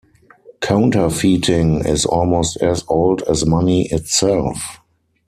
Counterfeiting is almost as old as money itself.